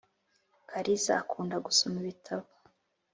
kaliza akunda gusoma ibitabo